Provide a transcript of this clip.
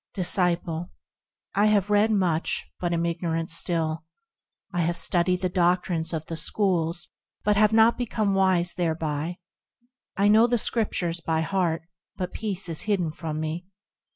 Disciple. I have read much, but am ignorant still ; I have studied the doctrines of the schools, but have not become wise thereby ; I know the Scriptures by heart, but peace is hidden from me.